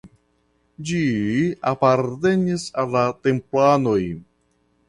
Ĝi apartenis al la Templanoj.